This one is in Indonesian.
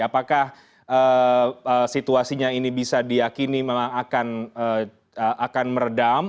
apakah situasinya ini bisa diakini memang akan meredam